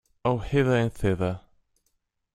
Oh, hither and thither.